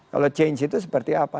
kalau change itu seperti apa